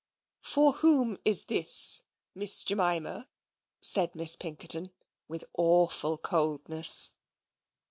"For whom is this, Miss Jemima?" said Miss Pinkerton, with awful coldness.